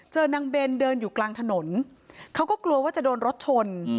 นางเบนเดินอยู่กลางถนนเขาก็กลัวว่าจะโดนรถชน